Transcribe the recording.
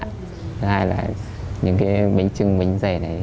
thứ hai là những cái bánh trưng bánh dày này